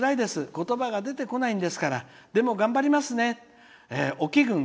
言葉が出てこないんですからでも、頑張りますね」。